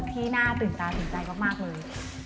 ที่น่าตื่นตาตื่นใจมากเลย